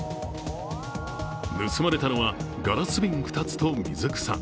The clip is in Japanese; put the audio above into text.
盗まれたのはガラス瓶２つと水草。